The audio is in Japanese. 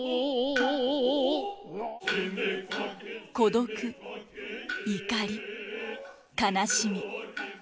孤独怒り悲しみ。